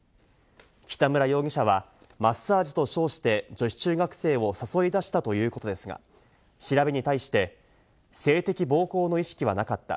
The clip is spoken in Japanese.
北村容疑者は、マッサージと称して、女子中学生を誘い出したということですが、調べに対して、性的暴行の意識はなかった。